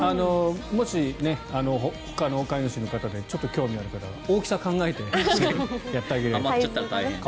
もし、ほかの飼い主の方でちょっと興味がある方は大きさ考えてやってあげたら。